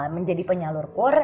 menjadi penyalur kur